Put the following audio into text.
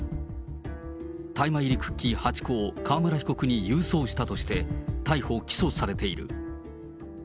大麻入りクッキー８個を川村被告に郵送したとして、逮捕・起訴されている。